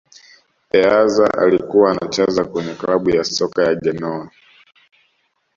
eazza alikuwa anacheza kwenye klabu ya soka ya genoa